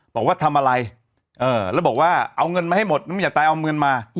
บอกว่าทำอะไรแล้วบอกว่าเอาเงินมาให้หมดแล้วไม่อยากตายเอาเงินมา